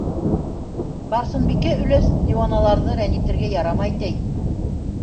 Барсынбикә өләс диуаналарҙы рәнйетергә ярамай ти!